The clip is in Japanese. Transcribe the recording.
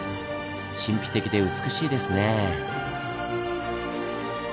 神秘的で美しいですねぇ。